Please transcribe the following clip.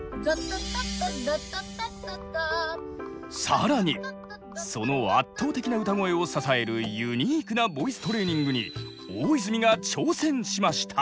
更にその圧倒的な歌声を支えるユニークなボイストレーニングに大泉が挑戦しました。